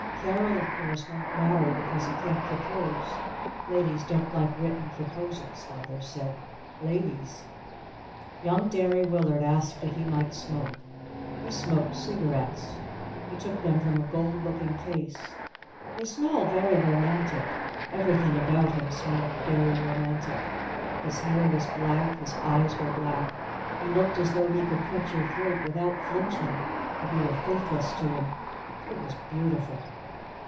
Carol, of course, won't marry because he can't propose! Ladies don't like written proposals, father says! Ladies " Young Derry Willard asked if he might smoke. He smoked cigarets. He took them from a gold looking case. They smelled very romantic. Everything about him smelled very romantic. His hair was black. His eyes were black. He looked as tho he could cut your throat without flinching if you were faithless to him. It was beautiful.